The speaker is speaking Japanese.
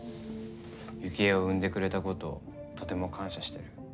ユキエを産んでくれたこととても感謝してる。